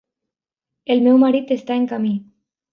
El meu marit està en camí.